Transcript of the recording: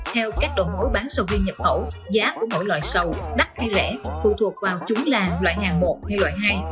theo các đội mỗi bán sầu riêng nhập khẩu giá của mỗi loại sầu đắt hay rẻ phù thuộc vào chúng là loại hàng một hay loại hai